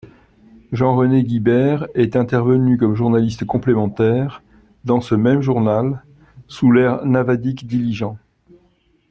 Jean-René Guibert est intervenu comme journaliste complémentaire dans ce même journal sous l'ère Navadic-Diligent.